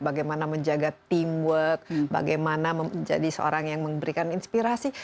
bagaimana menjaga teamwork bagaimana menjadi seorang yang memberikan inspirasi